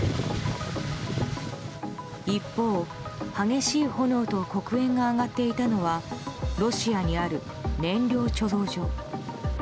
一方、激しい炎と黒煙が上がっていたのはロシアにある燃料貯蔵所。